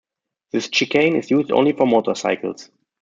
This chicane is used only for motorcycles.